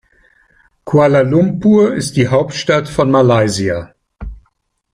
Kuala Lumpur ist die Hauptstadt von Malaysia.